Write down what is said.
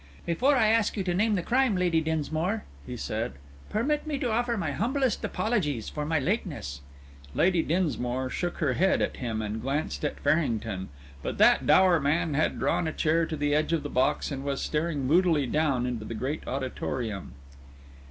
"Before I ask you to name the crime, Lady Dinsmore," he said, "permit me to offer my humblest apologies for my lateness." Lady Dinsmore shook her head at him and glanced at Farrington, but that dour man had drawn a chair to the edge of the box, and was staring moodily down into the great auditorium.